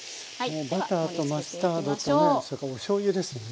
バターとマスタードとねそれからおしょうゆですよね。